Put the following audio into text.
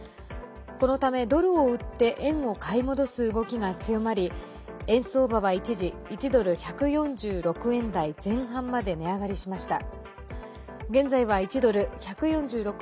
このため、ドルを売って円を買い戻す動きが強まり円相場は一時１ドル＝１４６円台前半まで値上がりしました。